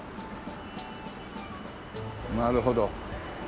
なるほど。